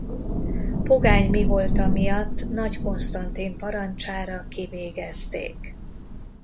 Pogány mivolta miatt Nagy Konstantin parancsára kivégezték.